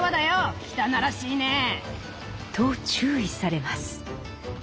汚らしいね。と注意されます。